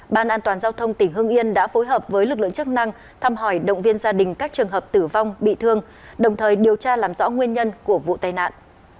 ban an toàn giao thông tỉnh hương yên đã phối hợp với lực lượng chức năng thăm hỏi động viên gia đình các trường hợp tử vong bị thương đồng thời điều tra làm rõ nguyên nhân của vụ tai nạn